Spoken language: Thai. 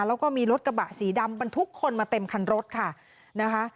แล้วก็มีรถกระบะสีดำบรรทุกคนมาเต็มคันรถค่ะนะคะ